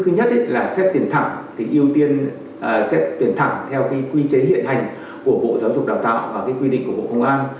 thứ nhất là xét tuyển thẳng thì ưu tiên xét tuyển thẳng theo quy chế hiện hành của bộ giáo dục đào tạo và quy định của bộ công an